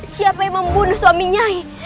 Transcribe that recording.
siapa yang membunuh suaminya